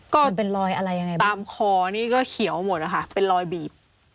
รอยเป็นรอยอะไรยังไงตามคอนี่ก็เขียวหมดนะคะเป็นรอยบีบ